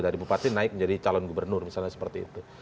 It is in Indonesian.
dari bupati naik menjadi calon gubernur misalnya seperti itu